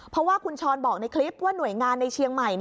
เพราะว่าคุณชรบอกในคลิปว่าหน่วยงานในเชียงใหม่